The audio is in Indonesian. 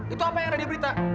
itu apa yang ada di berita